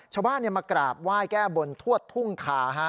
ชาวบ้านมากราบไหว้แก้บนทวดทุ่งคา